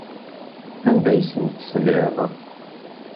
Anda ay asent-tesliḍ?